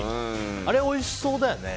あれ、おいしそうだよね。